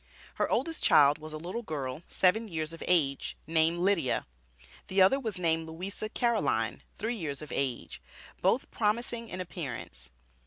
Her oldest child was a little girl seven years of age, named Lydia; the other was named Louisa Caroline, three years of age, both promising in appearance.